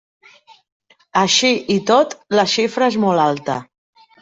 Així i tot, la xifra és molt alta.